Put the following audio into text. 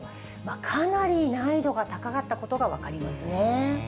かなり難易度が高かったことが分かりますね。